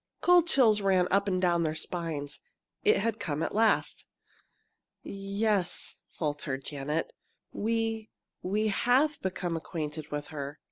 Cold chills ran up and down their spines. It had come at last! "Yes," faltered Janet, "we we have become acquainted with her."